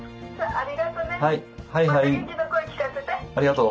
ありがとう。